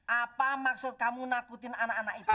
apa maksud kamu nakutin anak anak itu